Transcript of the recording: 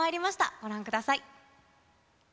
ご覧ください。